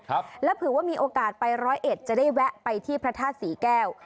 ครับแล้วเผื่อว่ามีโอกาสไปร้อยเอ็ดจะได้แวะไปที่พระธาตุศรีแก้ว